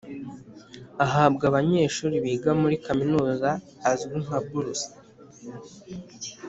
ahabwa abanyeshuri biga muri kaminuza azwi nka buruse.